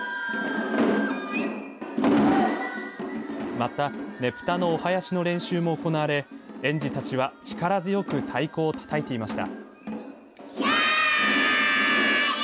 またねぷたのお囃子の練習も行われ園児たちは力強く太鼓をたたいていました。